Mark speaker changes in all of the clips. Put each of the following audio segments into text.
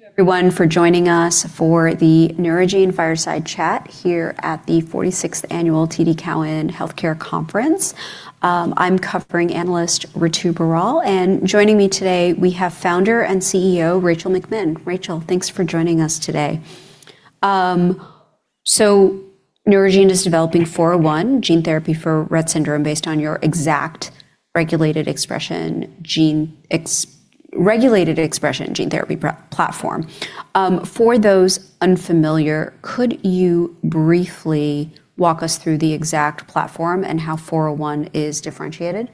Speaker 1: Thank you everyone for joining us for the Neurogene Fireside Chat here at the 46th Annual TD Cowen Healthcare Conference. I'm covering analyst Ritu Baral, and joining me today we have founder and CEO, Rachel McMinn. Rachel, thanks for joining us today. Neurogene is developing 401 gene therapy for Rett syndrome based on your EXACT regulated expression gene therapy platform. For those unfamiliar, could you briefly walk us through the EXACT platform and how 401 is differentiated?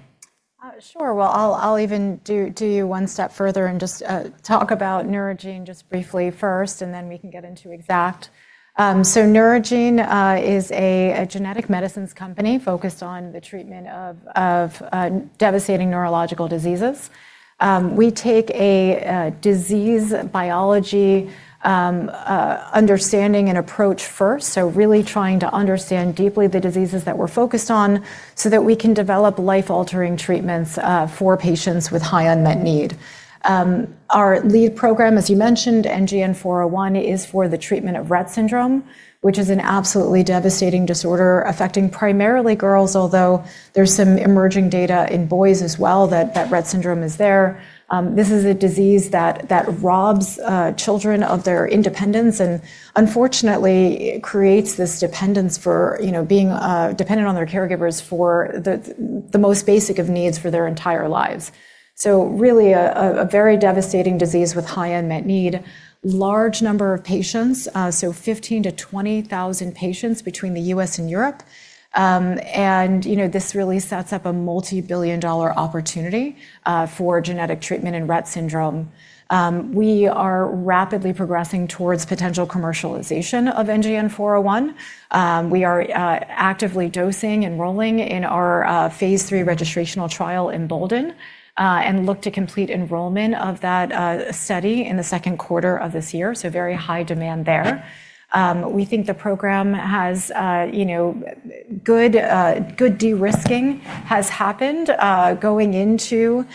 Speaker 2: Sure. Well, I'll even do you one step further and just talk about Neurogene briefly first, and then we can get into EXACT. Neurogene is a genetic medicines company focused on the treatment of devastating neurological diseases. We take a disease biology understanding and approach first, so really trying to understand deeply the diseases that we're focused on so that we can develop life-altering treatments for patients with high unmet need. Our lead program, as you mentioned, NGN-401 is for the treatment of Rett syndrome, which is an absolutely devastating disorder affecting primarily girls, although there's some emerging data in boys as well that Rett syndrome is there. This is a disease that robs children of their independence and unfortunately creates this dependence for, you know, being dependent on their caregivers for the most basic of needs for their entire lives. Really a very devastating disease with high unmet need. Large number of patients, 15,000-20,000 patients between the U.S. and Europe. You know, this really sets up a multi-billion dollar opportunity for genetic treatment in Rett syndrome. We are rapidly progressing towards potential commercialization of NGN-401. We are actively dosing, enrolling in our phase III registrational trial Embolden and look to complete enrollment of that study in the second quarter of this year, very high demand there. We think the program has, you know, good de-risking has happened, going into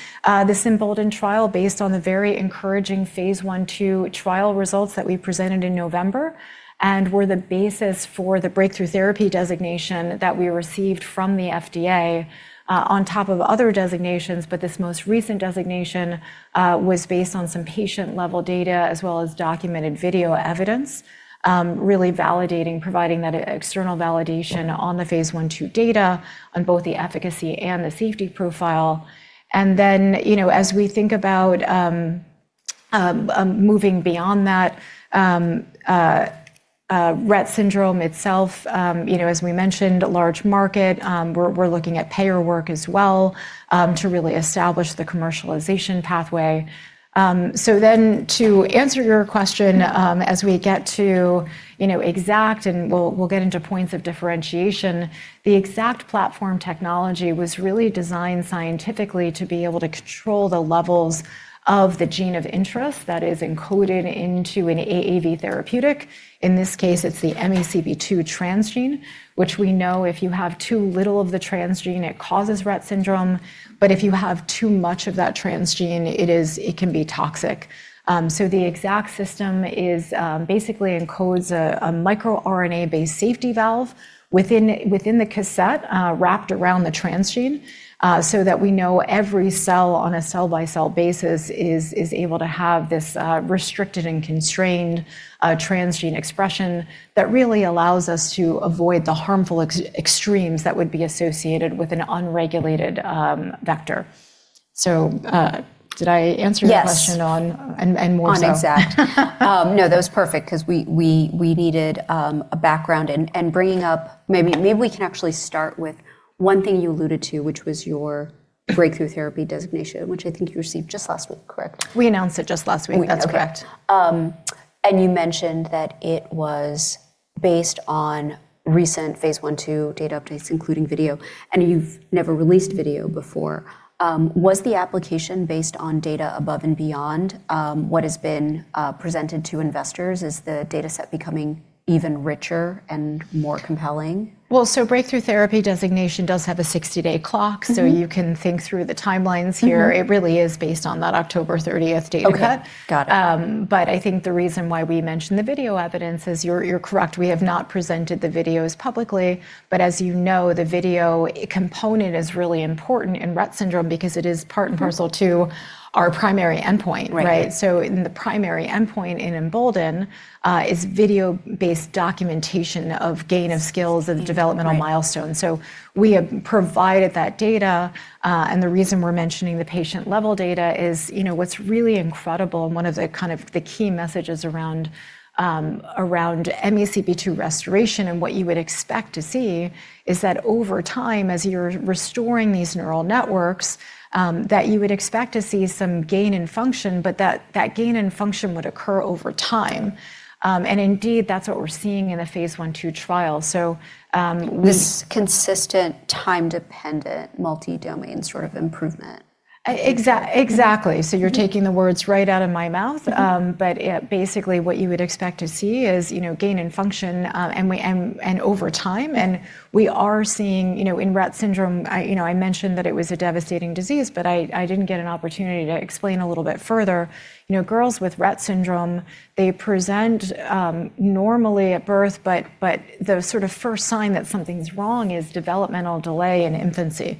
Speaker 2: this Embolden trial based on the very encouraging phase I/II trial results that we presented in November and were the basis for the Breakthrough Therapy designation that we received from the FDA, on top of other designations, but this most recent designation was based on some patient-level data as well as documented video evidence, really validating, providing that external validation on the phase I/II data on both the efficacy and the safety profile. You know, as we think about moving beyond that, Rett syndrome itself, you know, as we mentioned, large market, we're looking at payer work as well to really establish the commercialization pathway. To answer your question, as we get to, you know, EXACT, and we'll get into points of differentiation, the EXACT platform technology was really designed scientifically to be able to control the levels of the gene of interest that is encoded into an AAV therapeutic. In this case, it's the MECP2 transgene, which we know if you have too little of the transgene, it causes Rett syndrome. If you have too much of that transgene, it can be toxic. The EXACT system is, basically encodes a microRNA-based safety valve within the cassette, wrapped around the transgene, so that we know every cell on a cell-by-cell basis is able to have this restricted and constrained transgene expression that really allows us to avoid the harmful extremes that would be associated with an unregulated vector. Did I answer your question on-
Speaker 1: Yes
Speaker 2: more so.
Speaker 1: On EXACT. No, that was perfect because we needed a background. Maybe we can actually start with one thing you alluded to, which was your Breakthrough Therapy designation, which I think you received just last week, correct?
Speaker 2: We announced it just last week. That's correct.
Speaker 1: Okay. You mentioned that it was based on recent phase I/II data updates, including video, and you've never released video before. Was the application based on data above and beyond, what has been presented to investors? Is the data set becoming even richer and more compelling?
Speaker 2: Breakthrough Therapy designation does have a 60-day clock.
Speaker 1: Mm-hmm.
Speaker 2: You can think through the timelines here.
Speaker 1: Mm-hmm.
Speaker 2: It really is based on that October 30th data cut.
Speaker 1: Okay. Got it.
Speaker 2: I think the reason why we mentioned the video evidence is you're correct. We have not presented the videos publicly, but as you know, the video component is really important in Rett syndrome because it is part and parcel to our primary endpoint, right?
Speaker 1: Right.
Speaker 2: In the primary endpoint in Embolden, is video-based documentation of gain of skills and developmental milestones.
Speaker 1: Right.
Speaker 2: We have provided that data, and the reason we're mentioning the patient-level data is, you know, what's really incredible and one of the kind of the key messages around MECP2 restoration and what you would expect to see is that over time, as you're restoring these neural networks, that you would expect to see some gain in function, but that gain in function would occur over time. Indeed, that's what we're seeing in the phase I/II trial.
Speaker 1: This consistent time-dependent multi-domain sort of improvement.
Speaker 2: Exactly. You're taking the words right out of my mouth. Yeah, basically what you would expect to see is, you know, gain and function, and over time, and we are seeing, you know, in Rett syndrome, I, you know, I mentioned that it was a devastating disease, I didn't get an opportunity to explain a little bit further. You know, girls with Rett syndrome, they present normally at birth, the sort of first sign that something's wrong is developmental delay in infancy.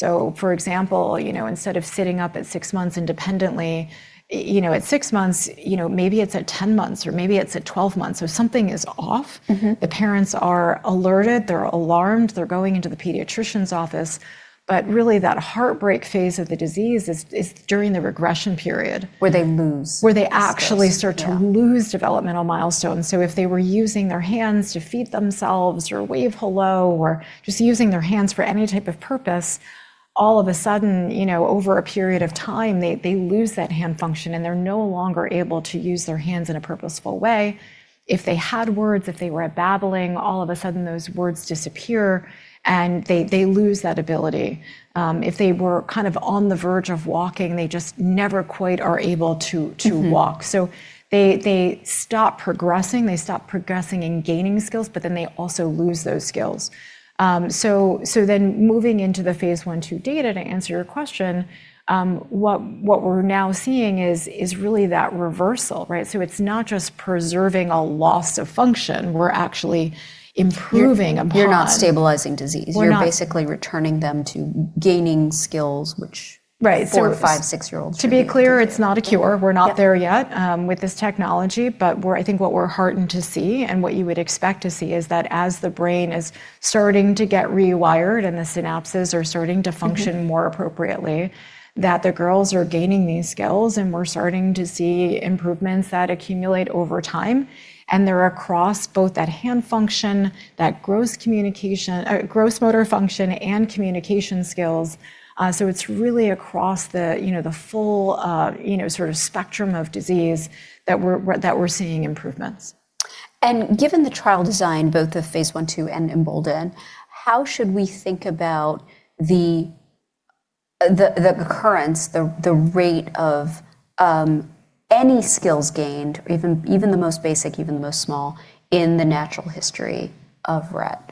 Speaker 2: For example, you know, instead of sitting up at six months independently, you know, at six months, you know, maybe it's at 10 months, or maybe it's at 12 months. Something is off.
Speaker 1: Mm-hmm.
Speaker 2: The parents are alerted, they're alarmed, they're going into the pediatrician's office, but really that heartbreak phase of the disease is during the regression period.
Speaker 1: Where they lose skills. Yeah.
Speaker 2: Where they actually start to lose developmental milestones. If they were using their hands to feed themselves or wave hello or just using their hands for any type of purpose, all of a sudden, you know, over a period of time, they lose that hand function, and they're no longer able to use their hands in a purposeful way. If they had words, if they were babbling, all of a sudden those words disappear, and they lose that ability. If they were kind of on the verge of walking, they just never quite are able to walk.
Speaker 1: Mm-hmm.
Speaker 2: They stop progressing. They stop progressing and gaining skills, but then they also lose those skills. Moving into the phase I/II data to answer your question, what we're now seeing is really that reversal, right? It's not just preserving a loss of function. We're actually improving upon.
Speaker 1: You're not stabilizing disease.
Speaker 2: We're not-
Speaker 1: You're basically returning them to gaining skills which.
Speaker 2: Right.
Speaker 1: four or five, six-year-olds should be able to do.
Speaker 2: ...to be clear, it's not a cure.
Speaker 1: Yeah.
Speaker 2: We're not there yet, with this technology, but I think what we're heartened to see and what you would expect to see is that as the brain is starting to get rewired and the synapses are starting to function...
Speaker 1: Mm-hmm
Speaker 2: ...more appropriately, that the girls are gaining these skills, and we're starting to see improvements that accumulate over time, and they're across both that hand function, that gross motor function and communication skills. It's really across the, you know, the full, you know, sort of spectrum of disease that we're seeing improvements.
Speaker 1: Given the trial design, both the phase I/II and Embolden, how should we think about the occurrence, the rate of any skills gained, even the most basic, even the most small, in the natural history of Rett?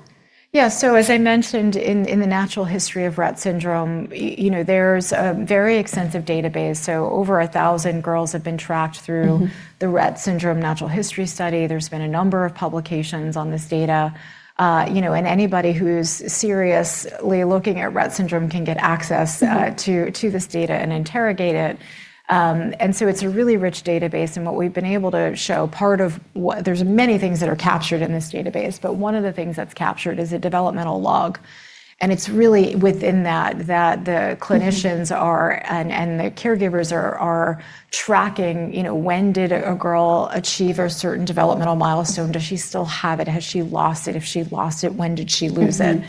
Speaker 2: Yeah. As I mentioned in the natural history of Rett syndrome, you know, there's a very extensive database. Over 1,000 girls have been tracked.
Speaker 1: Mm-hmm
Speaker 2: ...the Rett syndrome natural history study. There's been a number of publications on this data. you know, anybody who's seriously looking at Rett syndrome.
Speaker 1: Mm-hmm
Speaker 2: ...to this data and interrogate it. It's a really rich database, and what we've been able to show, part of there's many things that are captured in this database, but one of the things that's captured is a developmental log, and it's really within that the clinicians are.
Speaker 1: Mm-hmm
Speaker 2: ...and the caregivers are tracking, you know, when did a girl achieve a certain developmental milestone? Does she still have it? Has she lost it? If she lost it, when did she lose it?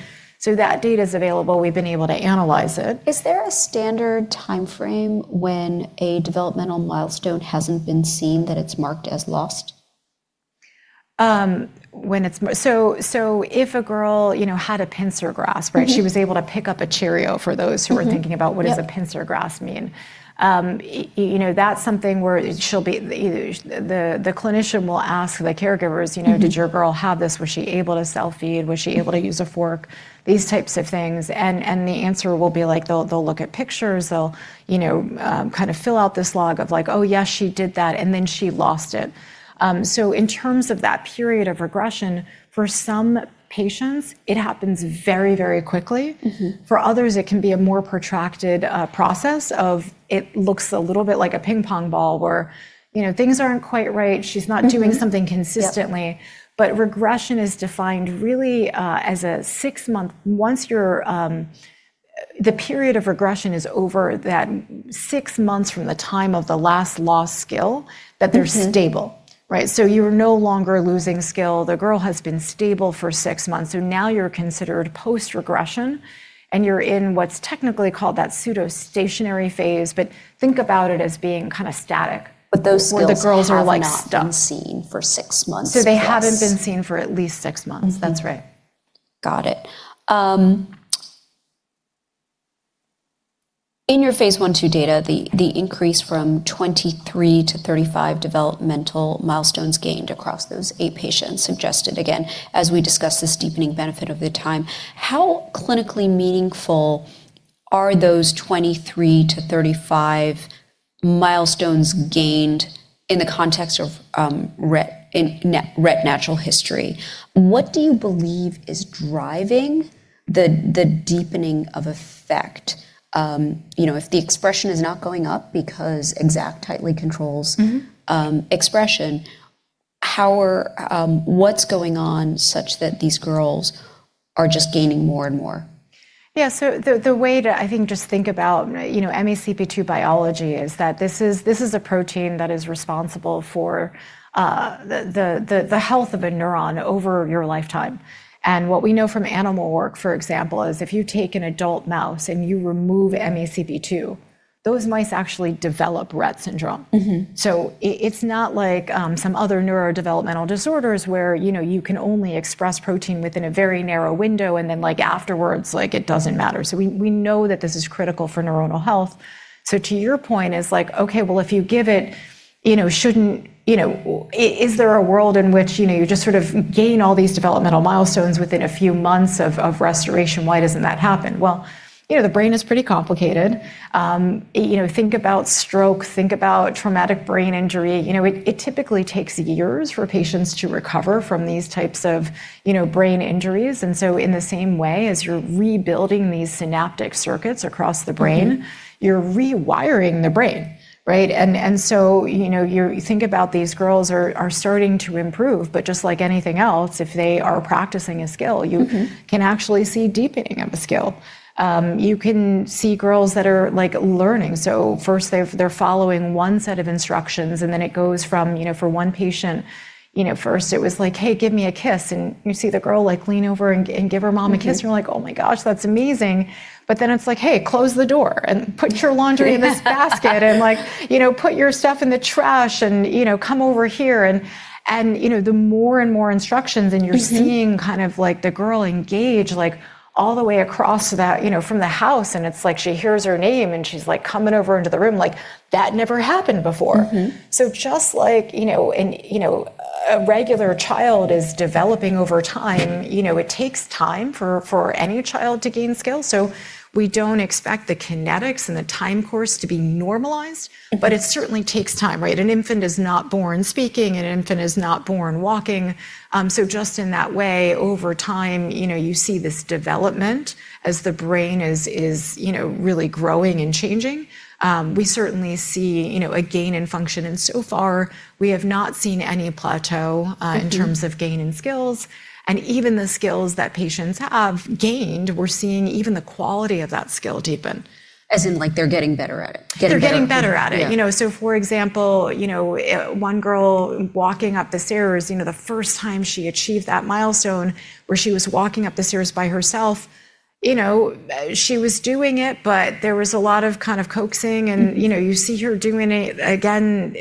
Speaker 1: Mm-hmm.
Speaker 2: That data's available. We've been able to analyze it.
Speaker 1: Is there a standard timeframe when a developmental milestone hasn't been seen that it's marked as lost?
Speaker 2: When it's so if a girl, you know, had a pincer grasp, right?
Speaker 1: Mm-hmm.
Speaker 2: She was able to pick up a Cheerio for those who are thinking about...
Speaker 1: Mm-hmm. Yep.
Speaker 2: ...what does a pincer grasp mean? you know, that's something where the clinician will ask the caregivers, you know.
Speaker 1: Mm-hmm
Speaker 2: ...did your girl have this? Was she able to self-feed? Was she able to use a fork? These types of things. The answer will be like, they'll look at pictures. They'll, you know, kind of fill out this log of like, oh, yes, she did that, and then she lost it. In terms of that period of regression, for some patients, it happens very, very quickly.
Speaker 1: Mm-hmm.
Speaker 2: For others, it can be a more protracted process of it looks a little bit like a ping pong ball where, you know, things aren't quite right.
Speaker 1: Mm-hmm.
Speaker 2: She's not doing something consistently.
Speaker 1: Yep.
Speaker 2: Regression is defined really, once you're, the period of regression is over that six months from the time of the last lost skill.
Speaker 1: Mm-hmm
Speaker 2: ...that they're stable, right? You're no longer losing skill. The girl has been stable for six months, so now you're considered post-regression, and you're in what's technically called that pseudo-stationary phase, but think about it as being kinda static.
Speaker 1: Those skills have not been seen for six months plus.
Speaker 2: Where the girls are like stuck.
Speaker 1: Yeah.
Speaker 2: They haven't been seen for at least six months.
Speaker 1: Mm-hmm.
Speaker 2: That's right.
Speaker 1: Got it. In your phase I/II data, the increase from 23 to 35 developmental milestones gained across those eight patients suggested, again, as we discussed, the steepening benefit over time. How clinically meaningful are those 23 to 35 milestones gained in the context of in Rett natural history? What do you believe is driving the deepening of effect? You know, if the expression is not going up because EXACT tightly controls.
Speaker 2: Mm-hmm
Speaker 1: ...expression, what's going on such that these girls are just gaining more and more?
Speaker 2: Yeah. The way to I think just think about, you know, MECP2 biology is that this is a protein that is responsible for the health of a neuron over your lifetime. What we know from animal work, for example, is if you take an adult mouse and you remove MECP2. Those mice actually develop Rett syndrome.
Speaker 1: Mm-hmm.
Speaker 2: It's not like some other neurodevelopmental disorders where, you know, you can only express protein within a very narrow window, and then, like, afterwards, like, it doesn't matter. We know that this is critical for neuronal health. To your point is like, okay, well, if you give it, you know, shouldn't. You know, is there a world in which, you know, you just sort of gain all these developmental milestones within a few months of restoration? Why doesn't that happen? You know, the brain is pretty complicated. You know, think about stroke, think about traumatic brain injury. You know, it typically takes years for patients to recover from these types of, you know, brain injuries. In the same way, as you're rebuilding these synaptic circuits across the brain.
Speaker 1: Mm-hmm...
Speaker 2: you're rewiring the brain, right? You know, you think about these girls are starting to improve, but just like anything else, if they are practicing a skill.
Speaker 1: Mm-hmm...
Speaker 2: you can actually see deepening of a skill. You can see girls that are, like, learning. First they're following one set of instructions, and then it goes from, you know, for one patient, you know, first it was like, "Hey, give me a kiss," and you see the girl, like, lean over and give her mom a kiss.
Speaker 1: Mm-hmm.
Speaker 2: You're like, "Oh my gosh, that's amazing." It's like, "Hey, close the door, and put your laundry in this basket." Like, "You know, put your stuff in the trash," and, you know, "Come over here." You know, the more and more instructions...
Speaker 1: Mm-hmm
Speaker 2: You're seeing kind of like the girl engage, like, all the way across that, you know, from the house, and it's like she hears her name, and she's, like, coming over into the room. Like, that never happened before.
Speaker 1: Mm-hmm.
Speaker 2: Just like, you know, a regular child is developing over time, you know, it takes time for any child to gain skill. We don't expect the kinetics and the time course to be normalized.
Speaker 1: Mm-hmm.
Speaker 2: It certainly takes time, right? An infant is not born speaking. An infant is not born walking. Just in that way, over time, you know, you see this development as the brain is, you know, really growing and changing. We certainly see, you know, a gain in function. So far we have not seen any plateau.
Speaker 1: Mm-hmm...
Speaker 2: in terms of gain in skills. Even the skills that patients have gained, we're seeing even the quality of that skill deepen.
Speaker 1: As in, like, they're getting better at it. Getting better.
Speaker 2: They're getting better at it.
Speaker 1: Yeah.
Speaker 2: You know, for example, you know, one girl walking up the stairs, you know, the first time she achieved that milestone where she was walking up the stairs by herself, you know, she was doing it, but there was a lot of kind of coaxing.
Speaker 1: Mm-hmm.
Speaker 2: You know, you see her doing it again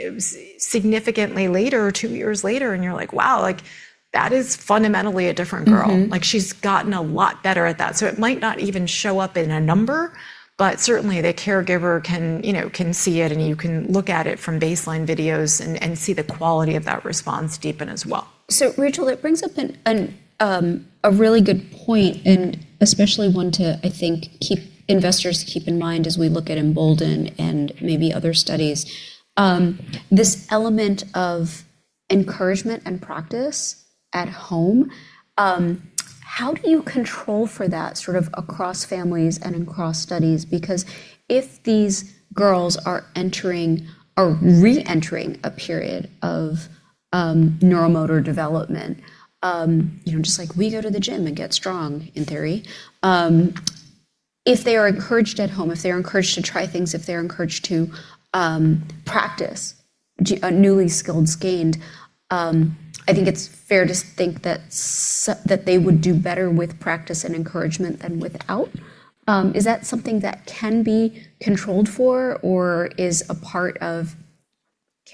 Speaker 2: significantly later, two years later, and you're like, "Wow," like, that is fundamentally a different girl.
Speaker 1: Mm-hmm.
Speaker 2: She's gotten a lot better at that. It might not even show up in a number, but certainly the caregiver can, you know, can see it, and you can look at it from baseline videos and see the quality of that response deepen as well.
Speaker 1: Rachel, it brings up a really good point, and especially one to, I think, investors keep in mind as we look at Embolden and maybe other studies, this element of encouragement and practice at home. How do you control for that sort of across families and across studies? Because if these girls are entering or re-entering a period of neuromotor development, you know, just like we go to the gym and get strong in theory, if they are encouraged at home, if they're encouraged to try things, if they're encouraged to practice newly skilled skills gained, I think it's fair to think that they would do better with practice and encouragement than without. Is that something that can be controlled for or is a part of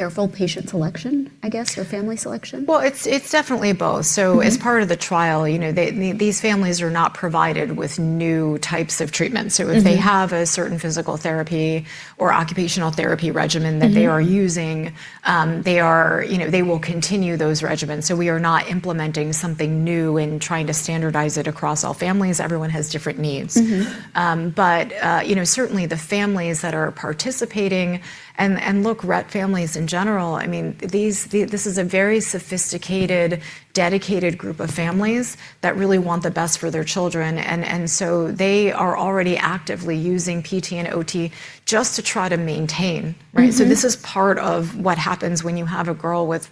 Speaker 1: careful patient selection, I guess, or family selection?
Speaker 2: Well, it's definitely both.
Speaker 1: Mm-hmm.
Speaker 2: As part of the trial, you know, these families are not provided with new types of treatment.
Speaker 1: Mm-hmm.
Speaker 2: If they have a certain physical therapy or occupational therapy regimen.
Speaker 1: Mm-hmm...
Speaker 2: that they are using. You know, they will continue those regimens. We are not implementing something new and trying to standardize it across all families. Everyone has different needs.
Speaker 1: Mm-hmm.
Speaker 2: You know, certainly the families that are participating and, look, Rett families in general, I mean, this is a very sophisticated, dedicated group of families that really want the best for their children. So they are already actively using PT and OT just to try to maintain, right?
Speaker 1: Mm-hmm.
Speaker 2: This is part of what happens when you have a girl with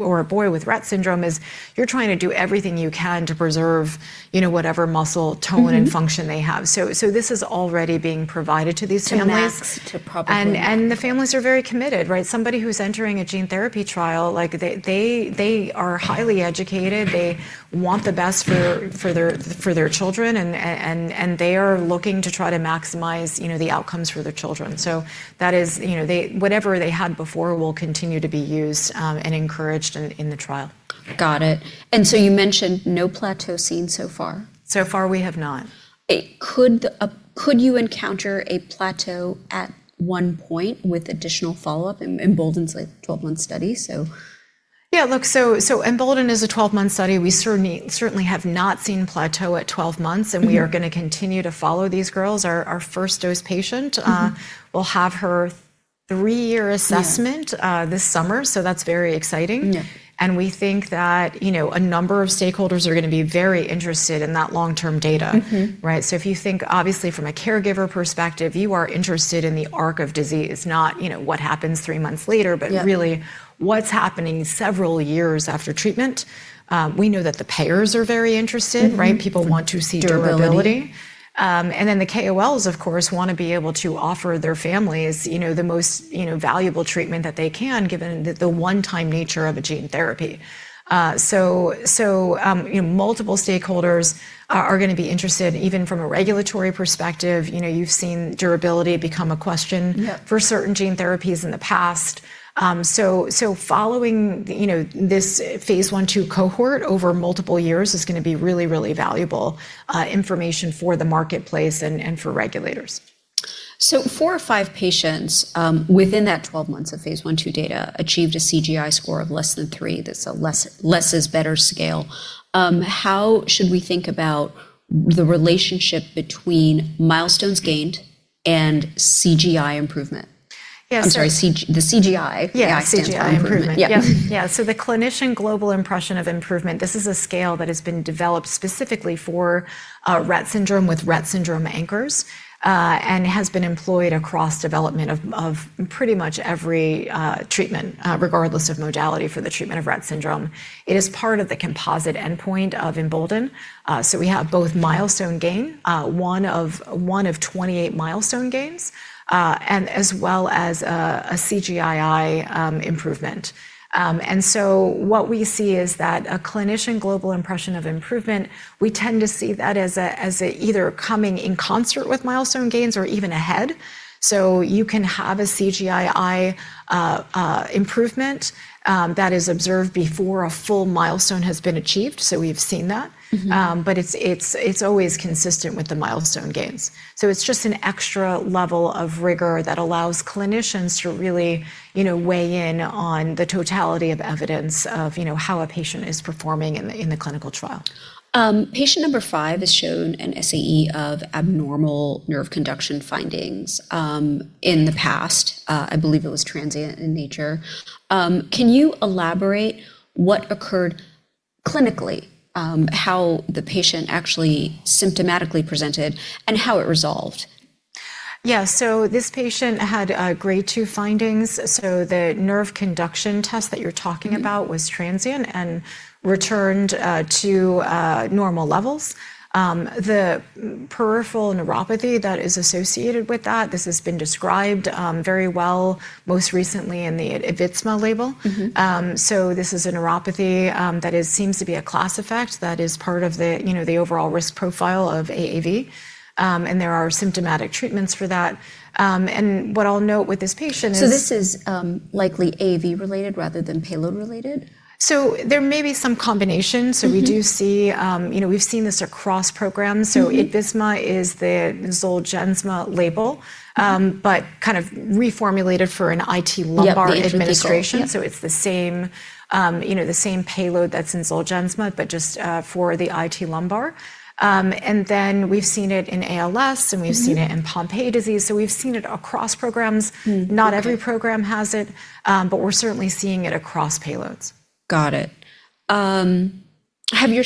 Speaker 2: or a boy with Rett syndrome, is you're trying to do everything you can to preserve, you know, whatever muscle tone.
Speaker 1: Mm-hmm...
Speaker 2: and function they have. This is already being provided to these families.
Speaker 1: To max, to probably-
Speaker 2: The families are very committed, right? Somebody who's entering a gene therapy trial, like, they are highly educated. They want the best for their children and they are looking to try to maximize, you know, the outcomes for their children. That is... You know, whatever they had before will continue to be used and encouraged in the trial.
Speaker 1: Got it. You mentioned no plateau seen so far.
Speaker 2: Far we have not.
Speaker 1: Could you encounter a plateau at one point with additional follow-up in Embolden's 12-month study so?
Speaker 2: Look, so Embolden is a 12-month study. We certainly have not seen plateau at 12 months.
Speaker 1: Mm-hmm.
Speaker 2: We are gonna continue to follow these girls. Our first dose.
Speaker 1: Mm-hmm...
Speaker 2: will have her three-year assessment.
Speaker 1: Yeah
Speaker 2: This summer, that's very exciting.
Speaker 1: Yeah.
Speaker 2: We think that, you know, a number of stakeholders are gonna be very interested in that long-term data.
Speaker 1: Mm-hmm.
Speaker 2: Right? If you think obviously from a caregiver perspective, you are interested in the arc of disease, not, you know, what happens three months later.
Speaker 1: Yeah
Speaker 2: Really what's happening several years after treatment. We know that the payers are very interested, right?
Speaker 1: Mm-hmm.
Speaker 2: People want to see durability.
Speaker 1: Durability.
Speaker 2: The KOLs, of course, wanna be able to offer their families, you know, the most, you know, valuable treatment that they can, given the one-time nature of a gene therapy. You know, multiple stakeholders are gonna be interested even from a regulatory perspective. You know, you've seen durability become a question.
Speaker 1: Yeah...
Speaker 2: for certain gene therapies in the past. Following, you know, this phase I/II cohort over multiple years is gonna be really valuable information for the marketplace and for regulators.
Speaker 1: Four or five patients, within that 12 months of phase I/II data achieved a CGI score of less than three. That's a less, less is better scale. How should we think about the relationship between milestones gained and CGI improvement?
Speaker 2: Yeah.
Speaker 1: I'm sorry. The CGI-I.
Speaker 2: Yeah
Speaker 1: stands for improvement.
Speaker 2: CGI-I improvement.
Speaker 1: Yeah.
Speaker 2: Yeah. The Clinician Global Impression of Improvement, this is a scale that has been developed specifically for Rett syndrome with Rett syndrome anchors and has been employed across development of pretty much every treatment regardless of modality for the treatment of Rett syndrome. It is part of the composite endpoint of Embolden. We have both milestone gain, one of 28 milestone gains, and as well as a CGI-I improvement. What we see is that a Clinician Global Impression of Improvement, we tend to see that as either coming in concert with milestone gains or even ahead. You can have a CGI-I improvement that is observed before a full milestone has been achieved. We've seen that.
Speaker 1: Mm-hmm.
Speaker 2: It's always consistent with the milestone gains. It's just an extra level of rigor that allows clinicians to really, you know, weigh in on the totality of evidence of, you know, how a patient is performing in the clinical trial.
Speaker 1: Patient number five has shown an SAE of abnormal nerve conduction findings in the past. I believe it was transient in nature. Can you elaborate what occurred clinically, how the patient actually symptomatically presented and how it resolved?
Speaker 2: Yeah. This patient had grade II findings, so the nerve conduction test that you're talking about.
Speaker 1: Mm-hmm
Speaker 2: was transient and returned to normal levels. The peripheral neuropathy that is associated with that, this has been described very well, most recently in the Itvisma label.
Speaker 1: Mm-hmm.
Speaker 2: This is a neuropathy, that seems to be a class effect that is part of the, you know, the overall risk profile of AAV. There are symptomatic treatments for that. What I'll note with this patient.
Speaker 1: This is, likely AAV related rather than payload related?
Speaker 2: There may be some combination.
Speaker 1: Mm-hmm.
Speaker 2: we do see, you know, we've seen this across programs.
Speaker 1: Mm-hmm.
Speaker 2: Itvisma is the Zolgensma label, but kind of reformulated for an IT lumbar-.
Speaker 1: Yeah. The...
Speaker 2: administration.
Speaker 1: The 50 call. Yeah.
Speaker 2: It's the same, you know, the same payload that's in Zolgensma, but just, for the IT lumbar. We've seen it in ALS.
Speaker 1: Mm-hmm
Speaker 2: seen it in Pompe disease. We've seen it across programs.
Speaker 1: Mm-hmm. Okay.
Speaker 2: Not every program has it, but we're certainly seeing it across payloads.
Speaker 1: Got it. have your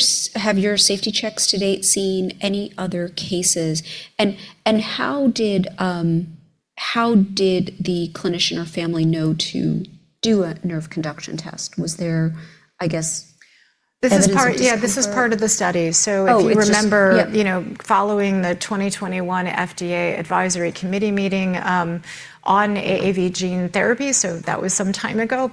Speaker 1: safety checks to date seen any other cases? How did the clinician or family know to do a nerve conduction test? Was there, I guess, evidence-?
Speaker 2: This is Yeah.
Speaker 1: of this before?
Speaker 2: This is part of the study.
Speaker 1: Yeah....
Speaker 2: you know, following the 2021 FDA Advisory Committee Meeting, on AAV gene therapy, so that was some time ago.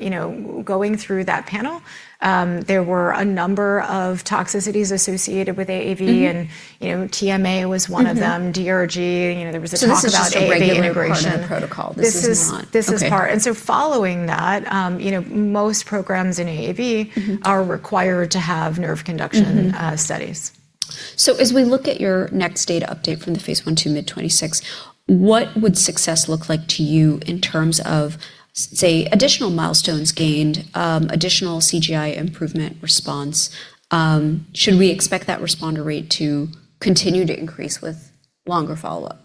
Speaker 2: You know, going through that panel, there were a number of toxicities associated with AAV.
Speaker 1: Mm-hmm.
Speaker 2: You know, TMA was one of them.
Speaker 1: Mm-hmm.
Speaker 2: DRG. You know, there was a talk about AAV integration.
Speaker 1: This is just a regular part of the protocol. This is not-
Speaker 2: This is part.
Speaker 1: Okay.
Speaker 2: following that, you know, most programs in AAV-
Speaker 1: Mm-hmm...
Speaker 2: are required to have nerve conduction-
Speaker 1: Mm-hmm...
Speaker 2: studies.
Speaker 1: As we look at your next data update from the phase I/II mid-2026, what would success look like to you in terms of say, additional milestones gained, additional CGI improvement response? Should we expect that responder rate to continue to increase with longer follow-up?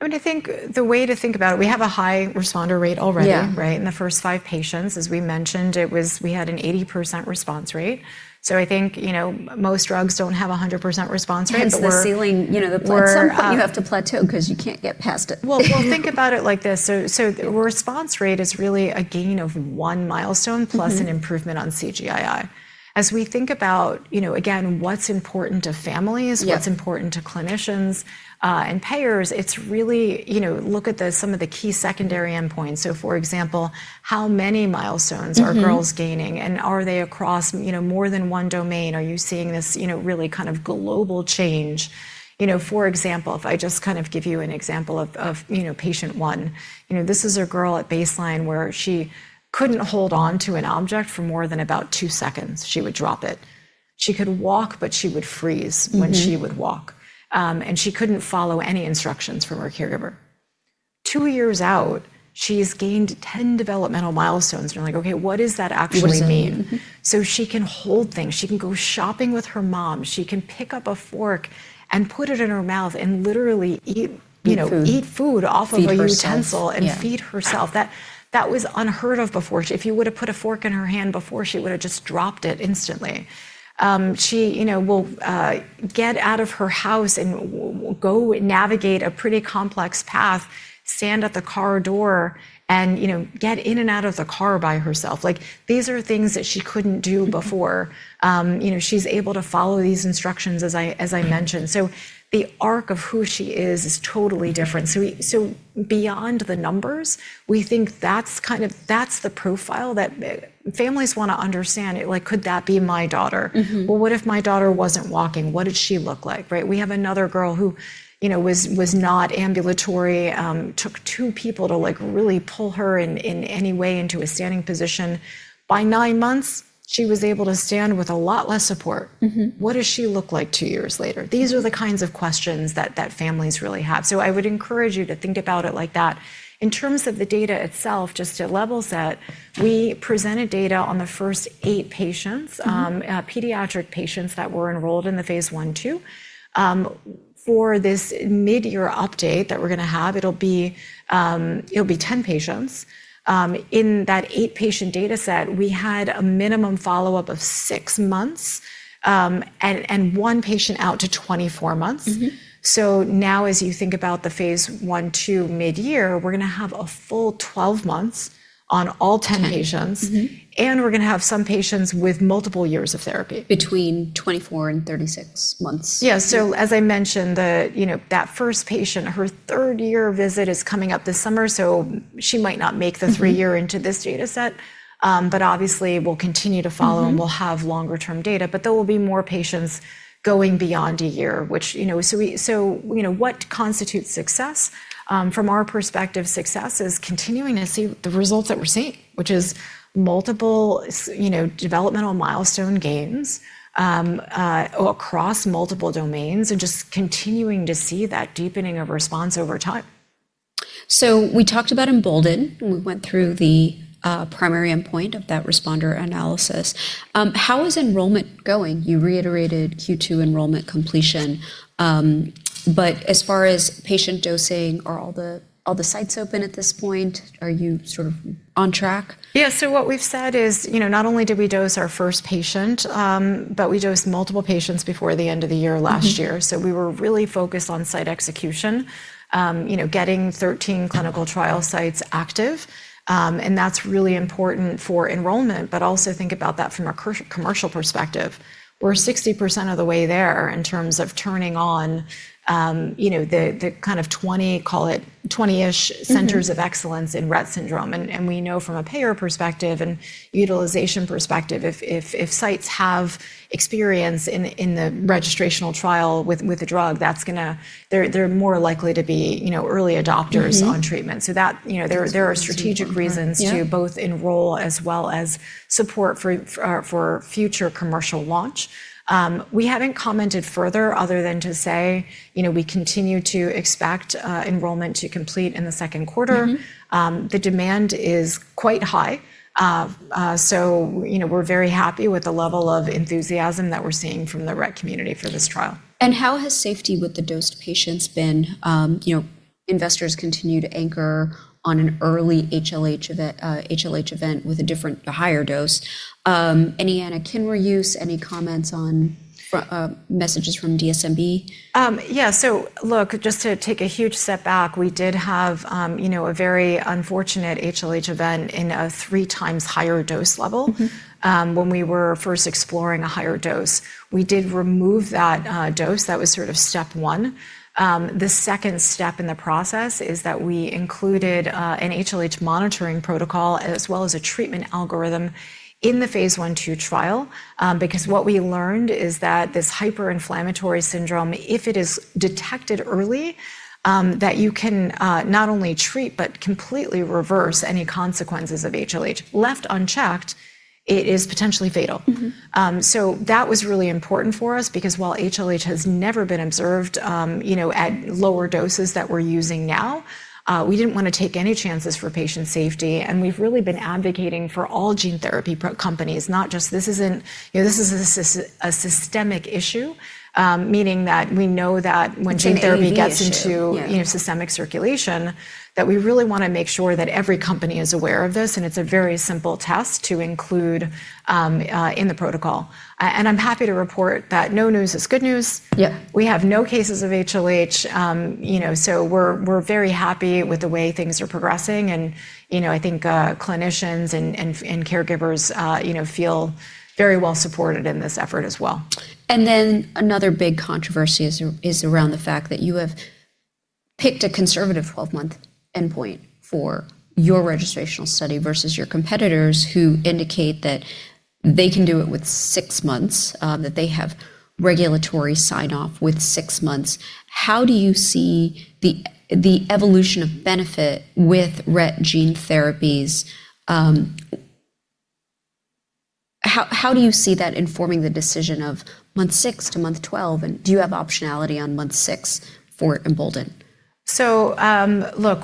Speaker 2: I mean, I think the way to think about it, we have a high responder rate already.
Speaker 1: Yeah
Speaker 2: right? In the first five patients, as we mentioned, we had an 80% response rate. I think, you know, most drugs don't have a 100% response rates.
Speaker 1: Hence the ceiling. You know, at some point-
Speaker 2: We're,...
Speaker 1: you have to plateau 'cause you can't get past it.
Speaker 2: Well, think about it like this. Response rate is really a gain of one milestone.
Speaker 1: Mm-hmm...
Speaker 2: plus an improvement on CGI-I. As we think about, you know, again, what's important to families-
Speaker 1: Yeah...
Speaker 2: what's important to clinicians, and payers, it's really, you know, some of the key secondary endpoints. For example, how many milestones-
Speaker 1: Mm-hmm...
Speaker 2: are girls gaining and are they across, you know, more than one domain? Are you seeing this, you know, really kind of global change? You know, for example, if I just kind of give you an example of, you know, patient one. You know, this is a girl at baseline where she couldn't hold on to an object for more than about two seconds. She would drop it. She could walk, but she would freeze.
Speaker 1: Mm-hmm...
Speaker 2: when she would walk. she couldn't follow any instructions from her caregiver. Two years out, she's gained 10 developmental milestones. we're like, "Okay, what does that actually mean?
Speaker 1: What does it mean? Mm-hmm.
Speaker 2: She can hold things. She can go shopping with her mom. She can pick up a fork and put it in her mouth and literally eat, you know.
Speaker 1: Eat food
Speaker 2: eat food off of a utensil.
Speaker 1: Feed herself. Yeah.
Speaker 2: and feed herself. That was unheard of before. If you would've put a fork in her hand before, she would've just dropped it instantly. She, you know, will get out of her house and go navigate a pretty complex path, stand at the car door and, you know, get in and out of the car by herself. Like, these are things that she couldn't do before.
Speaker 1: Mm-hmm.
Speaker 2: You know, she's able to follow these instructions, as I mentioned. The arc of who she is is totally different. Beyond the numbers, we think that's the profile that families wanna understand. Like, could that be my daughter?
Speaker 1: Mm-hmm.
Speaker 2: Well, what if my daughter wasn't walking? What did she look like, right? We have another girl who, you know, was not ambulatory, took two people to, like, really pull her in any way into a standing position. By nine months, she was able to stand with a lot less support.
Speaker 1: Mm-hmm.
Speaker 2: What does she look like two years later? These are the kinds of questions that families really have. I would encourage you to think about it like that. In terms of the data itself, just to level set, we presented data on the first eight patients.
Speaker 1: Mm-hmm...
Speaker 2: pediatric patients that were enrolled in the phase I/II. For this midyear update that we're gonna have, it'll be 10 patients. In that eight-patient data set, we had a minimum follow-up of six months, and one patient out to 24 months.
Speaker 1: Mm-hmm.
Speaker 2: Now as you think about the phase I/II midyear, we're gonna have a full 12 months on all 10 patients.
Speaker 1: 10. Mm-hmm.
Speaker 2: We're gonna have some patients with multiple years of therapy.
Speaker 1: Between 24 and 36 months.
Speaker 2: Yeah. As I mentioned, the, you know, that first patient, her third-year visit is coming up this summer, so she might not make the three year into this data set. Obviously we'll continue to follow-
Speaker 1: Mm-hmm
Speaker 2: and we'll have longer term data. There will be more patients going beyond a year, which, you know. What constitutes success? From our perspective, success is continuing to see the results that we're seeing, which is multiple you know, developmental milestone gains across multiple domains and just continuing to see that deepening of response over time.
Speaker 1: We talked about Embolden, and we went through the primary endpoint of that responder analysis. How is enrollment going? You reiterated Q2 enrollment completion. As far as patient dosing, are all the sites open at this point? Are you sort of on track?
Speaker 2: Yeah. What we've said is, you know, not only did we dose our first patient, but we dosed multiple patients before the end of the year last year.
Speaker 1: Mm-hmm.
Speaker 2: We were really focused on site execution, you know, getting 13 clinical trial sites active. That's really important for enrollment, but also think about that from a commercial perspective. We're 60% of the way there in terms of turning on, you know, the kind of 20, call it 20-ish centers of excellence in Rett syndrome. We know from a payer perspective and utilization perspective, if sites have experience in the registrational trial with a drug, they're more likely to be, you know, early adopters...
Speaker 1: Mm-hmm
Speaker 2: on treatment. That, you know, there are strategic reasons-
Speaker 1: Yeah...
Speaker 2: to both enroll as well as support for future commercial launch. We haven't commented further other than to say, you know, we continue to expect, enrollment to complete in the second quarter.
Speaker 1: Mm-hmm.
Speaker 2: The demand is quite high. You know, we're very happy with the level of enthusiasm that we're seeing from the Rett community for this trial.
Speaker 1: How has safety with the dosed patients been? you know, investors continue to anchor on an early HLH event with a different higher dose. any Anakinra, any comments on messages from DSMB?
Speaker 2: Yeah. Look, just to take a huge step back, we did have, you know, a very unfortunate HLH event in a three times higher dose level.
Speaker 1: Mm-hmm...
Speaker 2: when we were first exploring a higher dose. We did remove that dose. That was sort of step one. The second step in the process is that we included an HLH monitoring protocol as well as a treatment algorithm in the phase I/II trial. Because what we learned is that this hyperinflammatory syndrome, if it is detected early, that you can not only treat, but completely reverse any consequences of HLH. Left unchecked, it is potentially fatal.
Speaker 1: Mm-hmm.
Speaker 2: That was really important for us because while HLH has never been observed, you know, at lower doses that we're using now, we didn't wanna take any chances for patient safety. We've really been advocating for all gene therapy companies, not just. This isn't, you know, this is a systemic issue, meaning that we know that when gene therapy.
Speaker 1: It's an AAV issue. Yeah...
Speaker 2: gets into, you know, systemic circulation, that we really wanna make sure that every company is aware of this, and it's a very simple test to include in the protocol. I'm happy to report that no news is good news.
Speaker 1: Yeah.
Speaker 2: We have no cases of HLH. You know, we're very happy with the way things are progressing. You know, I think, clinicians and caregivers, you know, feel very well supported in this effort as well.
Speaker 1: Another big controversy is around the fact that you have picked a conservative 12-month endpoint for your registrational study versus your competitors who indicate that they can do it with six months, that they have regulatory sign-off with six months. How do you see the evolution of benefit with Rett gene therapies? How do you see that informing the decision of month six to month 12, and do you have optionality on month six for Embolden?
Speaker 2: Look,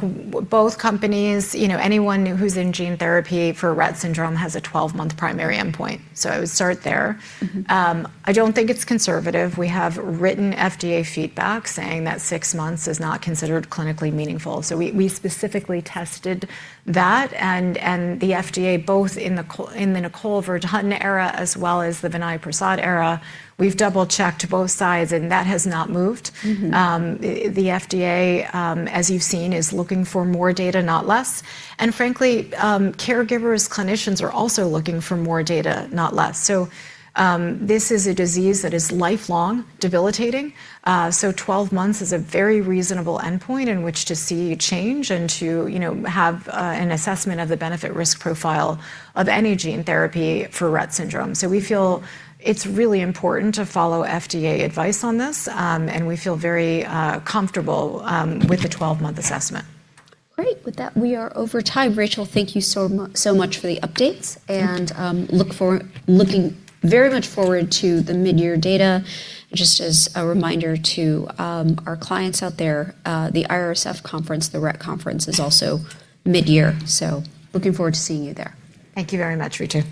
Speaker 2: both companies, you know, anyone who's in gene therapy for Rett syndrome has a 12-month primary endpoint. I would start there.
Speaker 1: Mm-hmm.
Speaker 2: I don't think it's conservative. We have written FDA feedback saying that six months is not considered clinically meaningful. We specifically tested that, and the FDA, both in the Nicole Verdun era as well as the Vinay Prasad era, we've double-checked both sides. That has not moved.
Speaker 1: Mm-hmm.
Speaker 2: The FDA, as you've seen, is looking for more data, not less. Frankly, caregivers, clinicians are also looking for more data, not less. This is a disease that is lifelong debilitating. 12 months is a very reasonable endpoint in which to see change and to, you know, have an assessment of the benefit risk profile of any gene therapy for Rett syndrome. We feel it's really important to follow FDA advice on this. We feel very comfortable with the 12-month assessment.
Speaker 1: Great. With that, we are over time. Rachel, thank you so much for the updates.
Speaker 2: Thank you.
Speaker 1: Looking very much forward to the midyear data. Just as a reminder to our clients out there, the IRSF Conference, the Rett Conference, is also midyear. Looking forward to seeing you there.
Speaker 2: Thank you very much, Ritu.